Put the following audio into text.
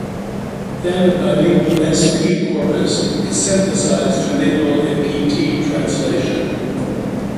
Then a bilingual s-p corpus is synthesized to enable a p-t translation.